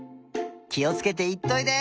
きをつけていっといで！